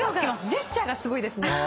ジェスチャーがすごいですね。